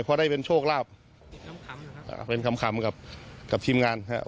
เพราะได้เป็นโชคลาบเป็นคำครับกับทีมงานครับ